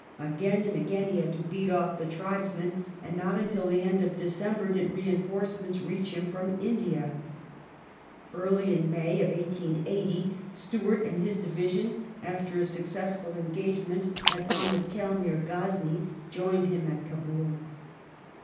Again and again he had to beat off the tribesmen, and not until the end of December did reinforcements reach him from India. Early in May, 1880, Stewart and his division, after a successful engagement at Ahmed Khel, neai* Ghazni, joined him at Kabul.